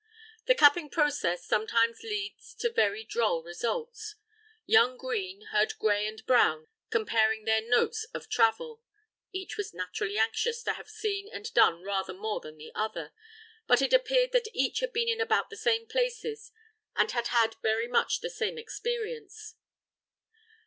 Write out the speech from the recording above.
This capping process sometimes leads to very droll results. Young Green heard Gray and Brown comparing their notes of travel. Each was naturally anxious to have seen and done rather more than the other; but it appeared that each had been in about the same places, and had had very much the same experience.